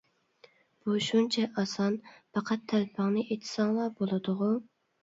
بۇ شۇنچە ئاسان، پەقەت تەلىپىڭنى ئېيتساڭلا بولىدىغۇ!